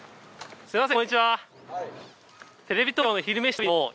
すみません